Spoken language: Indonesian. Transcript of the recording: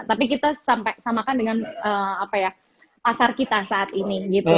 tapi kita samakan dengan pasar kita saat ini gitu